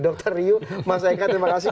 dr riu mas eka terima kasih